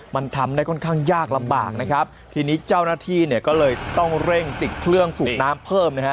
มันทำได้ค่อนข้างยากลำบากนะครับทีนี้เจ้าหน้าที่เนี่ยก็เลยต้องเร่งติดเครื่องสูบน้ำเพิ่มนะฮะ